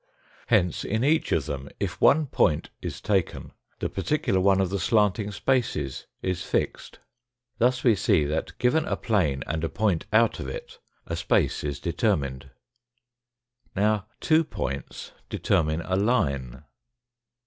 Hence in each of them, if one point is taken, the particular one of the slanting spaces is fixed. Thus we see that given a plane and a point out of it a space is determined. Now, two points determine a line.